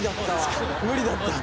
無理だったわ。